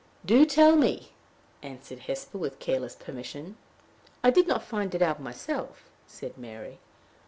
"Do tell me," answered Hesper, with careless permission. "I did not find it out myself," said Mary.